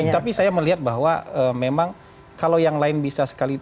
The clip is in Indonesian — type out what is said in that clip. tapi saya melihat bahwa memang kalau yang lain bisa sekali